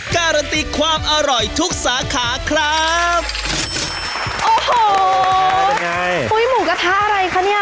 การันตีความอร่อยทุกสาขาครับโอ้โหปุ๊ยหมูกระทะอะไรคะเนี่ย